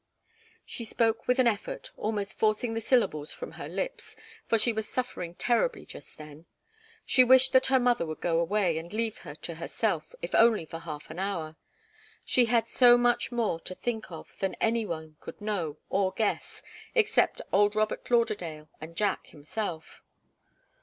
She spoke with an effort, almost forcing the syllables from her lips, for she was suffering terribly just then. She wished that her mother would go away, and leave her to herself, if only for half an hour. She had so much more to think of than any one could know, or guess except old Robert Lauderdale and Jack himself.